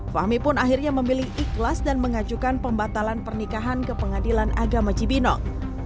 fahmi pun akhirnya memilih ikhlas dan mengajukan pembatalan pernikahan ke pengadilan agama cibinong